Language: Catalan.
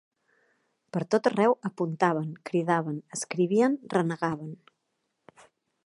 Per tot-arreu apuntaven, cridaven, escrivien, renegaven